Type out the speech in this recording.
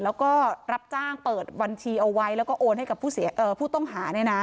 แล้วก็รับจ้างเปิดบัญชีเอาไว้แล้วก็โอนให้กับผู้เสียเอ่อผู้ต้องหาเนี่ยนะ